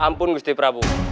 ampun gusti prabu